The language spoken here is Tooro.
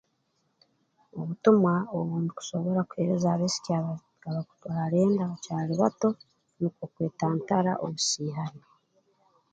Obutumwa obu ndukunsobora kuha abaisiki aba abakutwa enda bakyali bato nukwo kwetantara obusiihani